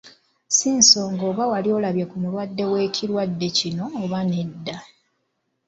Si nsonga oba wali olabye ku mulwadde w’ekirwadde kino oba nedda.